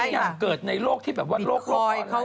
ทุกอย่างเกิดในโลกที่แบบว่าโลกออนไลน์